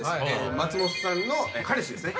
松本さんの彼氏ですね。